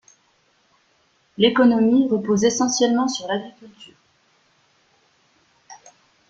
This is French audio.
L'économie repose essentiellement sur l´agriculture.